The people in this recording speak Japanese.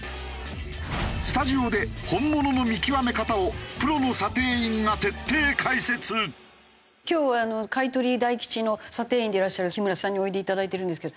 スタジオで本物の見極め方を今日は買取大吉の査定員でいらっしゃる木村さんにおいでいただいてるんですけど。